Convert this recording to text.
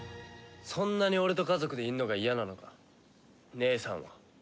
そんなに俺と家族でいるのが嫌なのか姉さんは。